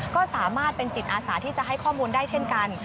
ก็สามารถเป็นจิตอาสาที่จะให้ข้อมูลได้เช่นกัน